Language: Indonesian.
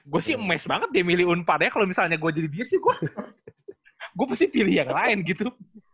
gua sih emes banget dia milih unpar ya kalo misalnya gua jadi dia sih gua gua pasti pilih yang lain gitu